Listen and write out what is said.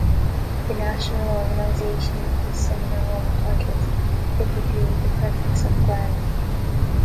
The national organization uses similar Roman titles, typically with the prefix of "Grand".